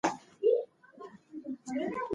د سبزی خوراک چاپیریال ته لږ زیان رسوي.